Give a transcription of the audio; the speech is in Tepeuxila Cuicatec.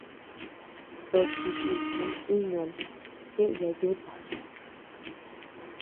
Tochi bikun iñan jeeya yuta.